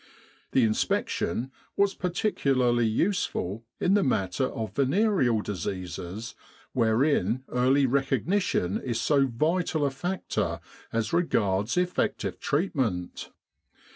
The inspection was particularly useful in the matter of venereal diseases wherein early recognition is so vital a factor as regards effective treatment.